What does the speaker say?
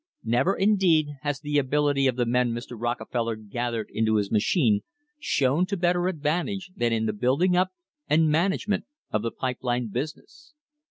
Never, indeed, has the ability of the men Mr. Rocke feller gathered into his machine shone to better advantage than in the building up and management of the pipe line business.